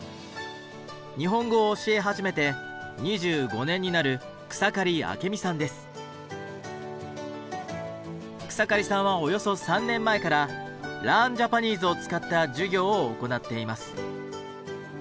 日本語を教え始めて２５年になる草刈さんはおよそ３年前から「ＬｅａｒｎＪａｐａｎｅｓｅ」を使った授業を行っています。